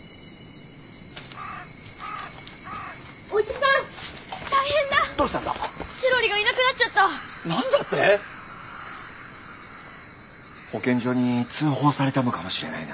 なんだって⁉保健所に通報されたのかもしれないな。